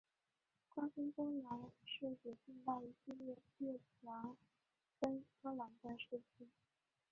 瓜分波兰是指近代一系列列强瓜分波兰的事件。